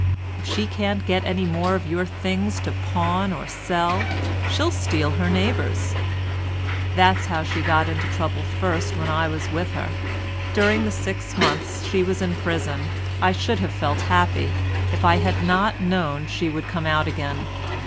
If she can't get any more of your things to pawn or sell, she'll steal her neighbours'. That's how she got into trouble first when I was with her. During the six months she was in prison I should have felt happy if I had not known she would come out again.